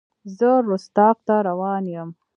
زه رُستاق ته روان یم.